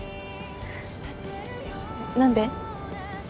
何で？